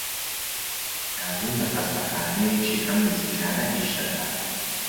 کازم لە خەستەخانەیەکی ئەم نزیکانە ئیش دەکات.